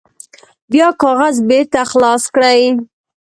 بیا کاغذ بیرته خلاص کړئ.